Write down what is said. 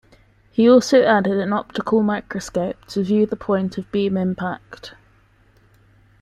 He also added an optical microscope to view the point of beam impact.